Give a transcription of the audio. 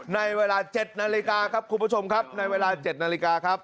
ในเวลา๗นาฬิกาครับคุณผู้ชมครับในเวลา๗นาฬิกาครับ